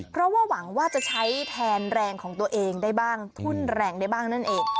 เพราะว่าหวังว่าจะใช้แทนแรงของตัวเองได้บ้างทุ่นแรงได้บ้างนั่นเอง